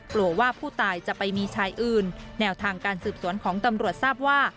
กลัวว่าผู้ตายจะไปมีชายอื่นแนวทางการสืบสวนของตำรวจทราบว่า